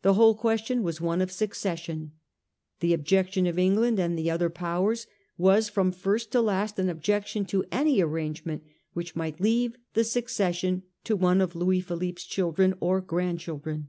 The whole question was one of succession. The objection of England and other Powers was from first to last an objection to any arrangement which might leave the succession to one of Louis Philippe's chil dren or grandchildren.